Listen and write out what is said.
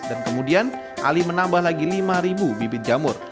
dan kemudian ali menambah lagi lima ribu bibit jamur